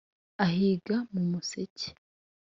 Ahiga mu museke